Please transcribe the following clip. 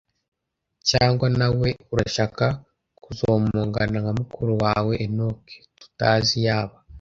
cyangwa nawe urashaka kuzomongana nka mukuru wawe enock tutazi iyaba!